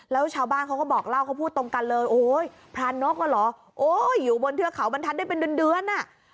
แล้วชาวบ้านเขาก็บอกเล่าเขาพูดตรงกันเลยโอ้ยพรานกอ่ะเหรอโอ้ยอยู่บนเทือกเขาบรรทัศน์ได้เป็นเดือนอ่ะ